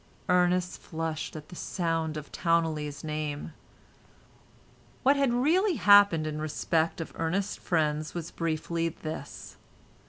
Ernest flushed at the sound of Towneley's name. What had really happened in respect of Ernest's friends was briefly this.